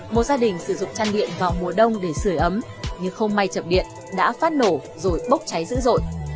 một gia đình sử dụng chăn điện vào mùa đông để sửa ấm nhưng không may chập điện đã phát nổ rồi bốc cháy dữ dội